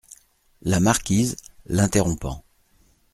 La Marquise , l’interrompant.